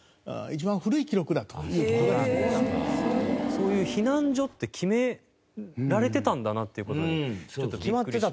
そういう避難所って決められてたんだなって事にちょっとビックリした。